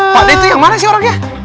pak d itu yang mana sih orangnya